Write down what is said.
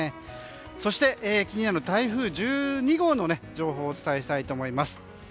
そして、気になる台風１２号の情報をお伝えしたいと思います。